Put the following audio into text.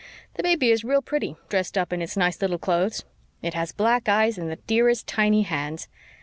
The baby is real pretty, dressed up in its nice little clothes. It has black eyes and the dearest, tiny hands."